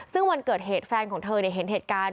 ซึ่งวันเกิดเหตุแฟนของเธอเห็นเหตุการณ์